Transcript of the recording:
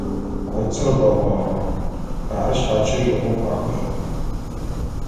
Коцыр бэгъуагъэ, ары шъхьакӏэ игъом ӏуахыжьыгъэп.